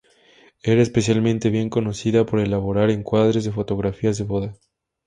Era especialmente bien conocida por elaborar encuadres de fotografías de boda.